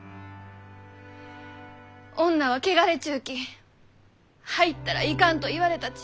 「女は汚れちゅうき入ったらいかん」と言われたち。